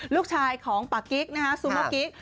ลูกชายของปากกิ๊กนะฮะซูโมกิ๊ก